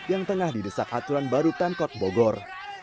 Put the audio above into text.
yang tengah didesak aturan baru pemkot bogor